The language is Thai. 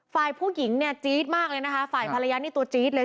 ฝ่ายผู้หญิงเนี่ยจี๊ดมากเลยนะคะฝ่ายภรรยานี่ตัวจี๊ดเลย